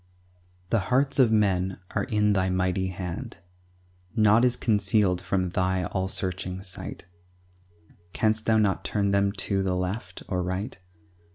The hearts of men are in Thy mighty hand; Naught is concealed from Thy all searching sight; Canst Thou not turn them to the left or right?